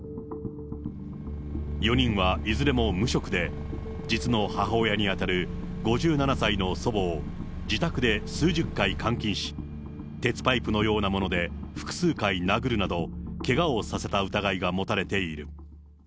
４人はいずれも無職で、実の母親に当たる５７歳の祖母を自宅で数十回監禁し、鉄パイプのようなもので、複数回殴るなど、けがをさせた疑いが持たれている。